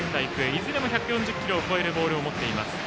いずれも１４０キロを超えるボールを持っています。